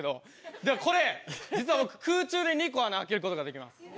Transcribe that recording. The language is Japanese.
で、これ、実は僕、空中で２個穴開けることができます。